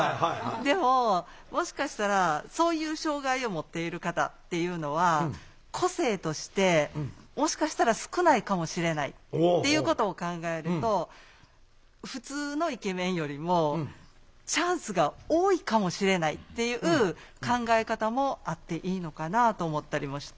でももしかしたらそういう障害をもっている方っていうのは個性としてもしかしたら少ないかもしれないっていうことを考えるとふつうのイケメンよりもチャンスが多いかもしれないっていう考え方もあっていいのかなと思ったりもして。